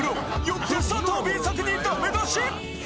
酔って佐藤Ｂ作にダメ出し！？